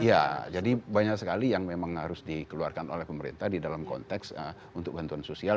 iya jadi banyak sekali yang memang harus dikeluarkan oleh pemerintah di dalam konteks untuk bantuan sosial